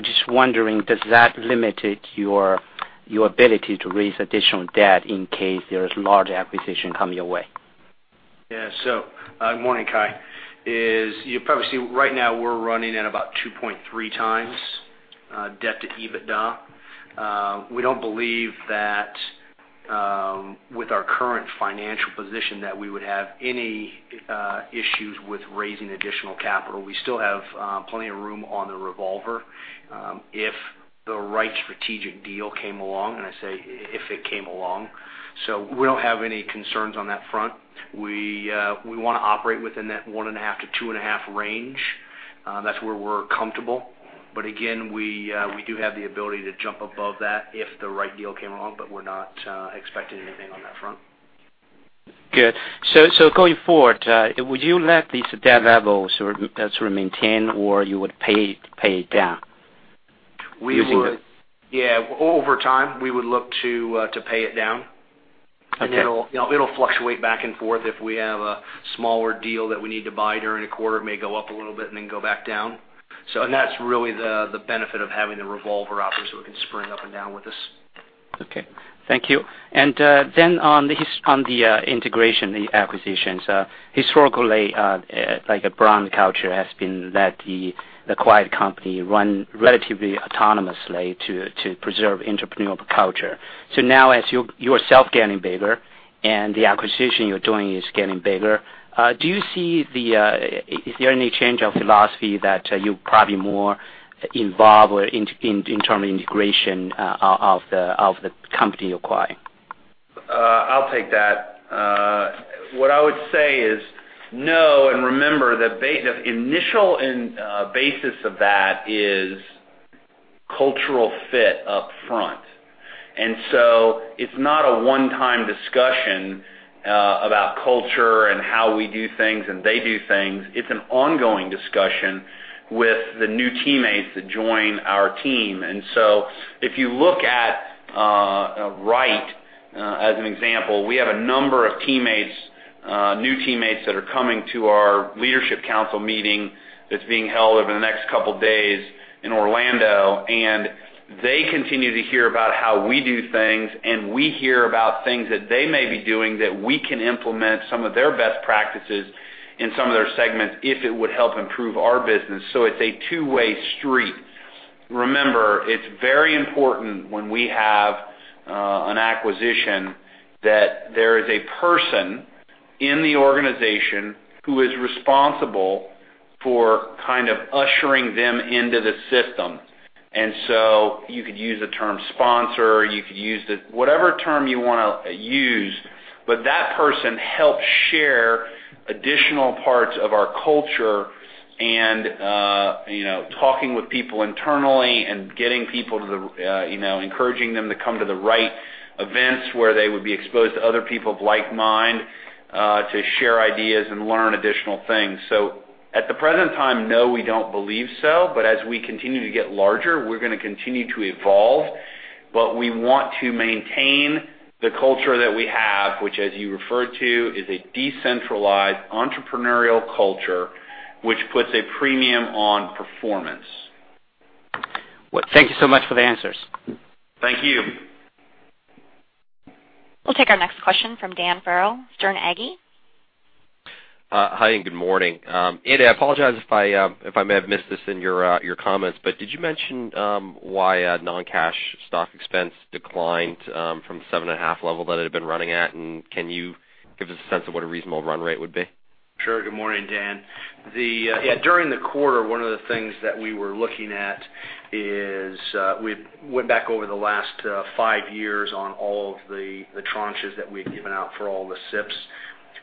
Just wondering, does that limit your ability to raise additional debt in case there is large acquisition coming your way? Yeah. Good morning, Kai. You probably see right now we're running at about 2.3 times debt-to-EBITDA. We don't believe that with our current financial position that we would have any issues with raising additional capital. We still have plenty of room on the revolver. If the right strategic deal came along, and I say if it came along. We don't have any concerns on that front. We want to operate within that one and a half to two and a half range. That's where we're comfortable. Again, we do have the ability to jump above that if the right deal came along, but we're not expecting anything on that front. Good. Going forward, would you let these debt levels sort of maintain, or you would pay it down using? Yeah. Over time, we would look to pay it down. Okay. It'll fluctuate back and forth if we have a smaller deal that we need to buy during a quarter. It may go up a little bit then go back down. That's really the benefit of having the revolver option, so it can spring up and down with us. Okay. Thank you. Then on the integration, the acquisitions, historically, like Brown & Brown culture has been let the acquired company run relatively autonomously to preserve entrepreneurial culture. Now as yourself getting bigger and the acquisition you're doing is getting bigger, is there any change of philosophy that you're probably more involved in term integration of the company acquired? I'll take that. What I would say is no. Remember, the initial and basis of that is cultural fit up front. It's not a one-time discussion about culture and how we do things and they do things. It's an ongoing discussion with the new teammates that join our team. If you look at Wright as an example, we have a number of new teammates that are coming to our leadership council meeting that's being held over the next couple of days in Orlando, and they continue to hear about how we do things, and we hear about things that they may be doing that we can implement some of their best practices in some of their segments if it would help improve our business. It's a two-way street. Remember, it's very important when we have an acquisition that there is a person in the organization who is responsible for kind of ushering them into the system. You could use the term sponsor, whatever term you want to use, but that person helps share additional parts of our culture and talking with people internally and encouraging them to come to the right events where they would be exposed to other people of like mind, to share ideas and learn additional things. At the present time, no, we don't believe so. As we continue to get larger, we're going to continue to evolve. We want to maintain the culture that we have, which as you referred to, is a decentralized entrepreneurial culture, which puts a premium on performance. Well, thank you so much for the answers. Thank you. We'll take our next question from Dan Farrell, Sterne Agee. Hi, good morning. Andy, I apologize if I may have missed this in your comments, but did you mention why non-cash stock expense declined from seven and a half level that it had been running at? Can you give us a sense of what a reasonable run rate would be? Sure. Good morning, Dan. During the quarter, one of the things that we were looking at is, we went back over the last five years on all of the tranches that we've given out for all the SIPs.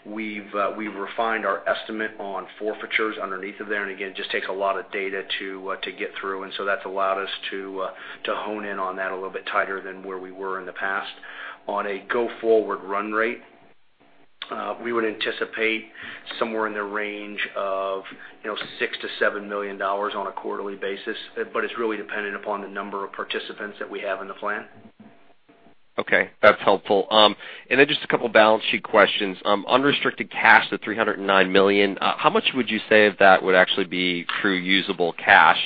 We've refined our estimate on forfeitures underneath of there, again, it just takes a lot of data to get through. That's allowed us to hone in on that a little bit tighter than where we were in the past. On a go-forward run rate, we would anticipate somewhere in the range of $6 million to $7 million on a quarterly basis. It's really dependent upon the number of participants that we have in the plan. Okay. That's helpful. Just a couple of balance sheet questions. Unrestricted cash at $309 million, how much would you say that would actually be true usable cash?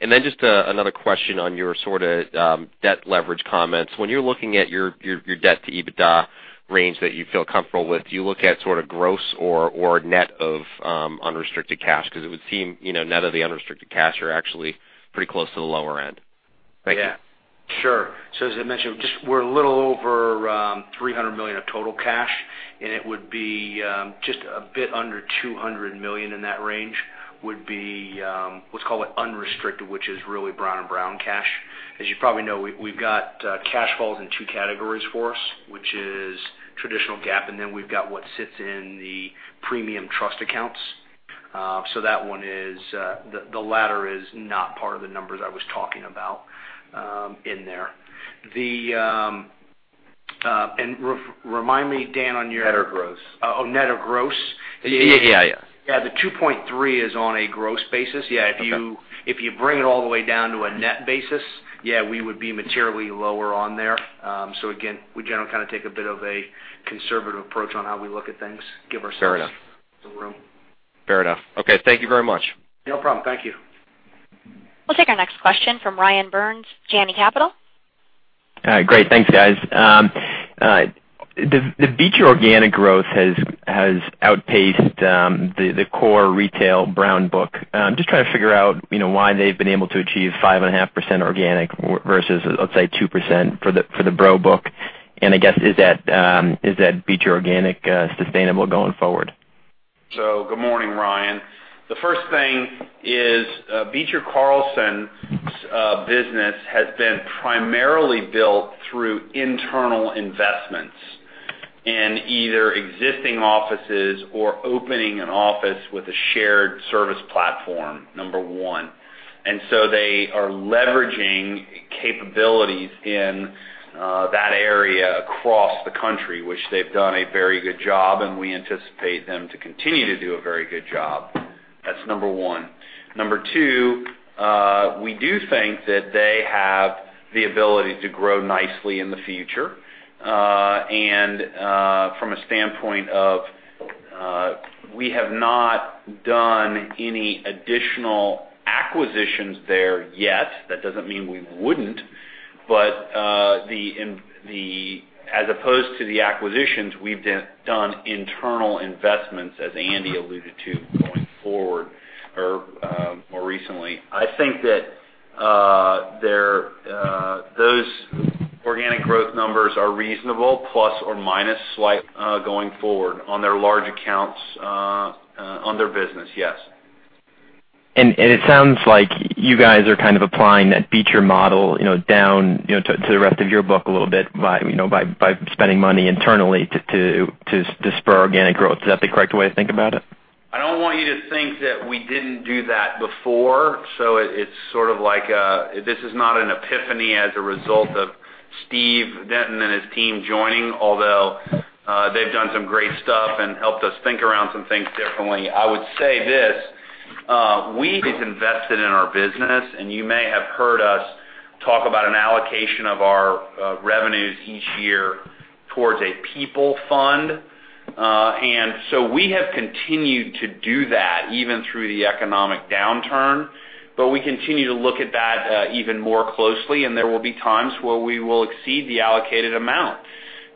Just another question on your sort of, debt leverage comments. When you're looking at your debt to EBITDA range that you feel comfortable with, do you look at sort of gross or net of unrestricted cash? It would seem, net of the unrestricted cash, you're actually pretty close to the lower end. Thank you. As I mentioned, we're a little over $300 million of total cash, it would be just a bit under $200 million in that range would be, let's call it unrestricted, which is really Brown & Brown cash. As you probably know, we've got cash falls in two categories for us, which is traditional GAAP, and then we've got what sits in the premium trust accounts. That one is, the latter is not part of the numbers I was talking about in there. Remind me, Dan, on your- Net or gross. Net or gross? Yeah. Yeah, the 2.3 is on a gross basis. Yeah. Okay. If you bring it all the way down to a net basis, yeah, we would be materially lower on there. Again, we generally kind of take a bit of a conservative approach on how we look at things, give ourselves- Fair enough. some room. Fair enough. Okay. Thank you very much. No problem. Thank you. We'll take our next question from Ryan Burns, Janney Capital. Great. Thanks, guys. The Beecher organic growth has outpaced the core retail Brown book. I'm just trying to figure out why they've been able to achieve 5.5% organic versus, let's say, 2% for the Brown book. I guess, is that Beecher organic sustainable going forward? Good morning, Ryan. The first thing is, Beecher Carlson's business has been primarily built through internal investments in either existing offices or opening an office with a shared service platform, number one. They are leveraging capabilities in that area across the country, which they've done a very good job, and we anticipate them to continue to do a very good job. That's number one. Number two, we do think that they have the ability to grow nicely in the future. From a standpoint of, we have not done any additional acquisitions there yet. That doesn't mean we wouldn't, but as opposed to the acquisitions, we've done internal investments, as Andy alluded to, going forward or more recently. I think that those organic growth numbers are reasonable plus or minus slight going forward on their large accounts, on their business, yes. It sounds like you guys are kind of applying that Beecher model down to the rest of your book a little bit by spending money internally to spur organic growth. Is that the correct way to think about it? I don't want you to think that we didn't do that before, so it's sort of like this is not an epiphany as a result of Steve Denton and his team joining, although, they've done some great stuff and helped us think around some things differently. I would say this, we've invested in our business, and you may have heard us talk about an allocation of our revenues each year towards a people fund. We have continued to do that even through the economic downturn. We continue to look at that even more closely. There will be times where we will exceed the allocated amount.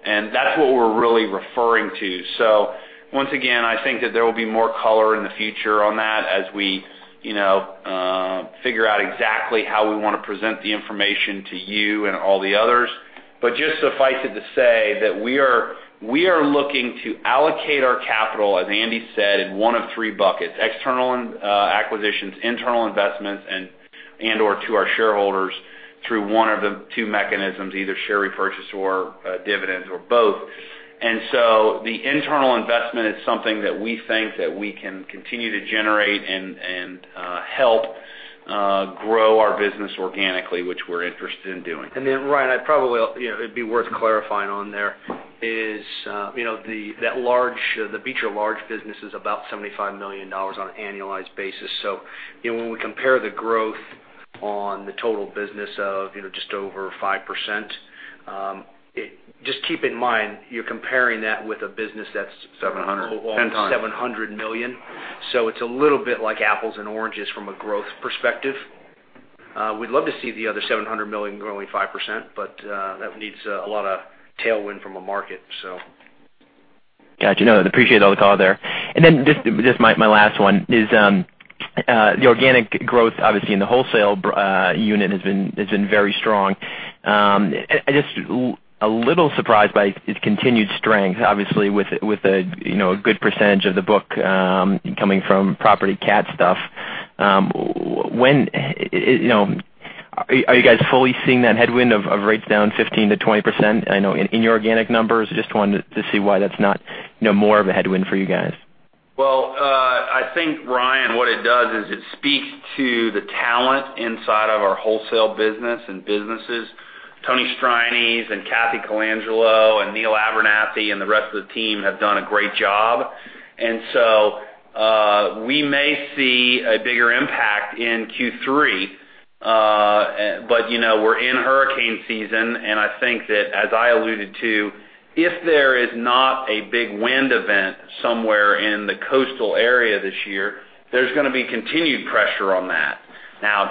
That's what we're really referring to. Once again, I think that there will be more color in the future on that as we figure out exactly how we want to present the information to you and all the others. Just suffice it to say that we are looking to allocate our capital, as Andy said, in one of three buckets, external acquisitions, internal investments, and/or to our shareholders through one of the two mechanisms, either share repurchase or dividends, or both. The internal investment is something that we think that we can continue to generate and help grow our business organically, which we're interested in doing. Then, Ryan, it'd be worth clarifying on there is the Beecher large business is about $75 million on an annualized basis. When we compare the growth on the total business of just over 5%, just keep in mind, you're comparing that with a business that's 700 $700 million. It's a little bit like apples and oranges from a growth perspective. We'd love to see the other $700 million growing 5%, that needs a lot of tailwind from a market. Got you. I appreciate all the call there. Just my last one is, the organic growth, obviously in the wholesale unit has been very strong. I just a little surprised by its continued strength, obviously with a good percentage of the book coming from property CAT stuff. Are you guys fully seeing that headwind of rates down 15%-20%? I know in your organic numbers, just wanted to see why that's not more of a headwind for you guys. Well, I think, Ryan, what it does is it speaks to the talent inside of our wholesale business and businesses. Tony Strianese and Kathy Colangelo and Neal Abernathy, and the rest of the team have done a great job. We may see a bigger impact in Q3, we're in hurricane season, I think that as I alluded to, if there is not a big wind event somewhere in the coastal area this year, there's going to be continued pressure on that. Now,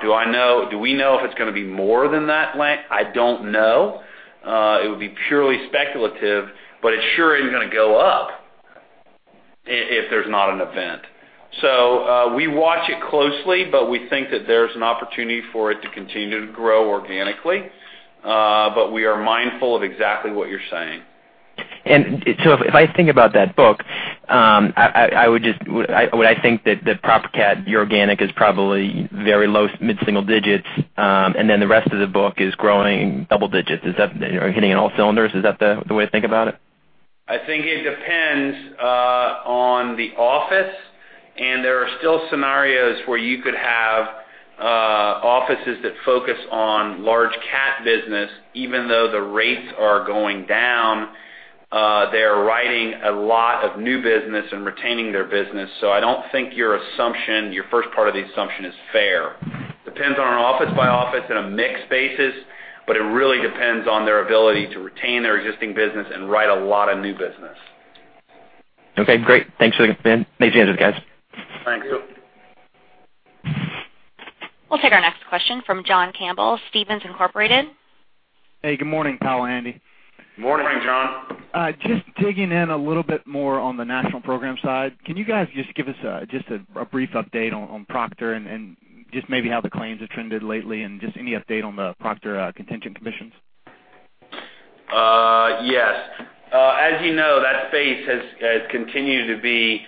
do we know if it's going to be more than that? I don't know. It would be purely speculative, it sure isn't going to go up if there's not an event. We watch it closely, we think that there's an opportunity for it to continue to grow organically. We are mindful of exactly what you're saying. If I think about that book, would I think that the proper CAT, your organic is probably very low mid-single digits, the rest of the book is growing double digits. Is that hitting on all cylinders? Is that the way to think about it? I think it depends on the office, there are still scenarios where you could have offices that focus on large CAT business, even though the rates are going down, they're writing a lot of new business and retaining their business. I don't think your first part of the assumption is fair. Depends on an office by office on a mixed basis, but it really depends on their ability to retain their existing business and write a lot of new business. Okay, great. Thanks for the input, guys. Thanks. Thank you. We'll take our next question from John Campbell, Stephens Inc.. Hey, good morning, Powell and Andy. Good morning, John. Just digging in a little bit more on the national program side. Can you guys just give us just a brief update on Proctor and just maybe how the claims have trended lately, and just any update on the Proctor contingent commissions? Yes. As you know, that space has continued to be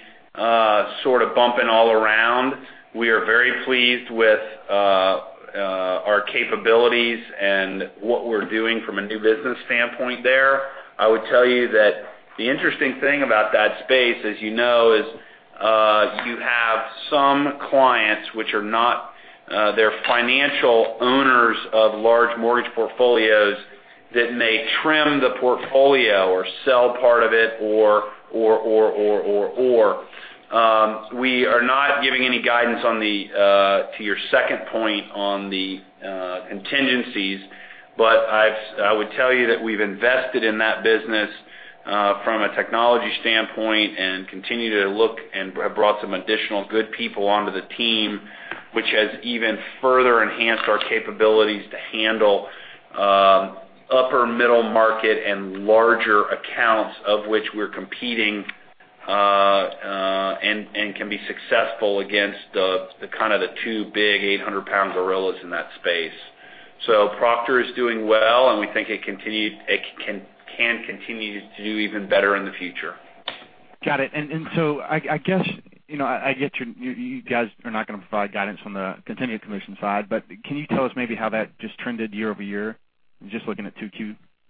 sort of bumping all around. We are very pleased with our capabilities and what we're doing from a new business standpoint there. I would tell you that the interesting thing about that space, as you know, is you have some clients, which are not their financial owners of large mortgage portfolios that may trim the portfolio or sell part of it. We are not giving any guidance to your second point on the contingencies. I would tell you that we've invested in that business, from a technology standpoint, and continue to look and have brought some additional good people onto the team, which has even further enhanced our capabilities to handle upper middle market and larger accounts of which we're competing, and can be successful against the kind of the two big 800-pound gorillas in that space. Proctor is doing well, and we think it can continue to do even better in the future. Got it. I guess, I get you guys are not going to provide guidance on the contingent commission side, but can you tell us maybe how that just trended year-over-year, just looking at Q2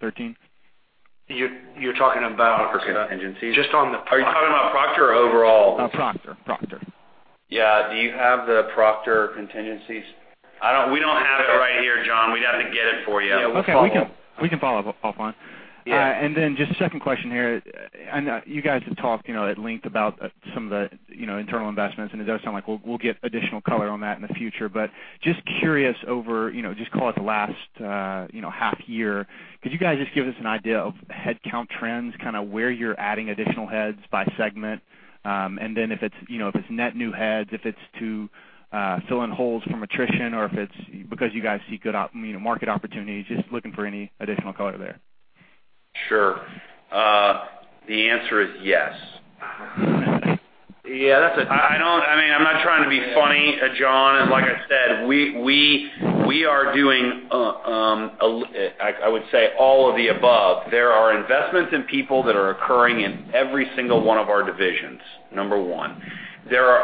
2013? You're talking about contingencies? Just on the Proctor. Are you talking about Proctor or overall? Proctor. Yeah. Do you have the Proctor contingencies? We don't have it right here, John. We'd have to get it for you. Okay. We can follow up on. Yeah. Just a second question here. I know you guys have talked at length about some of the internal investments, and it does sound like we'll get additional color on that in the future, but just curious over, just call it the last half year. Could you guys just give us an idea of headcount trends, kind of where you're adding additional heads by segment? If it's net new heads, if it's to fill in holes from attrition or if it's because you guys see good market opportunities, just looking for any additional color there. Sure. The answer is yes. Okay. Yeah. I'm not trying to be funny, John. Like I said, we are doing, I would say, all of the above. There are investments in people that are occurring in every single one of our divisions, number one. There are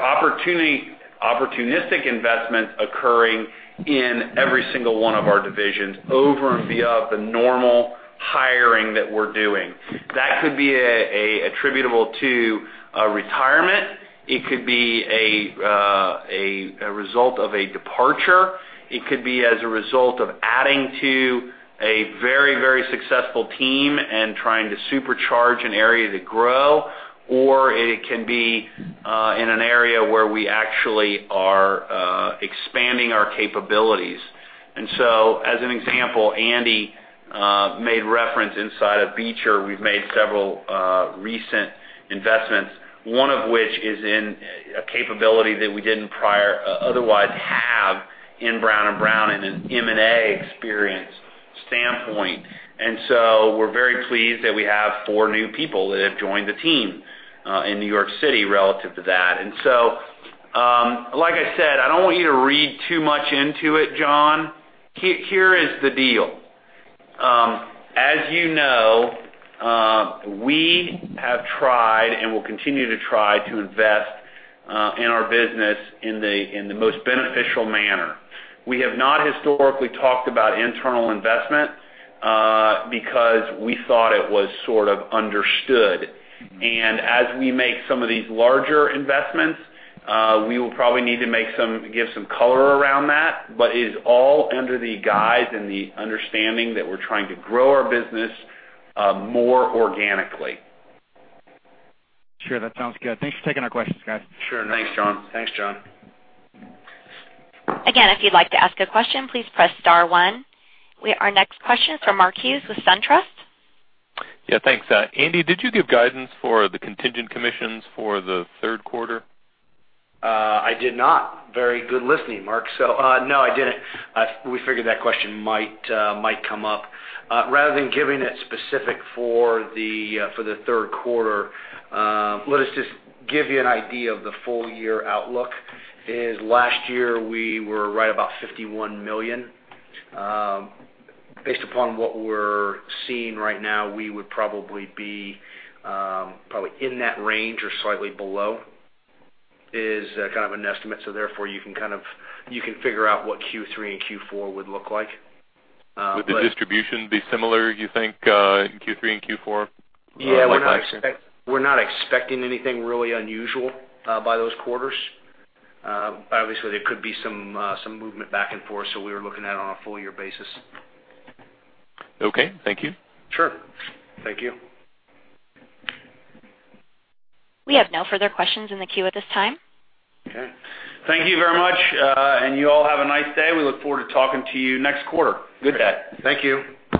opportunistic investments occurring in every single one of our divisions over and above the normal hiring that we're doing. That could be attributable to a retirement. It could be a result of a departure. It could be as a result of adding to a very successful team and trying to supercharge an area to grow, or it can be in an area where we actually are expanding our capabilities. So, as an example, Andy made reference inside of Beecher, we've made several recent investments, one of which is in a capability that we didn't prior otherwise have in Brown & Brown in an M&A experience standpoint. So we're very pleased that we have four new people that have joined the team in New York City relative to that. So, like I said, I don't want you to read too much into it, John. Here is the deal. As you know, we have tried and will continue to try to invest in our business in the most beneficial manner. We have not historically talked about internal investment, because we thought it was sort of understood. As we make some of these larger investments, we will probably need to give some color around that, but it is all under the guise and the understanding that we're trying to grow our business more organically. Sure. That sounds good. Thanks for taking our questions, guys. Sure. Thanks, John. If you'd like to ask a question, please press star one. Our next question is from Mark Hughes with SunTrust. Yeah, thanks. Andy, did you give guidance for the contingent commissions for the third quarter? I did not. Very good listening, Mark. No, I didn't. We figured that question might come up. Rather than giving it specific for the third quarter, let us just give you an idea of the full-year outlook, is last year we were right about $51 million. Based upon what we're seeing right now, we would probably be in that range or slightly below, is kind of an estimate. Therefore, you can figure out what Q3 and Q4 would look like. Would the distribution be similar, you think, in Q3 and Q4? Yeah. We're not expecting anything really unusual by those quarters. Obviously, there could be some movement back and forth, we were looking at it on a full-year basis. Okay, thank you. Sure. Thank you. We have no further questions in the queue at this time. Okay. Thank you very much. You all have a nice day. We look forward to talking to you next quarter. Good day. Thank you.